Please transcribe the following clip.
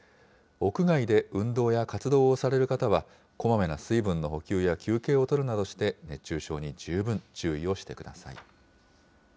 屋外で運動や活動をされる方は、こまめな水分の補給や休憩をとるなどして、熱中症に十分、注意をしてください。